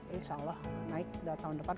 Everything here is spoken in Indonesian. insya allah naik tahun depan